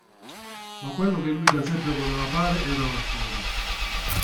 Ma quello che lui da sempre voleva fare era l’attore.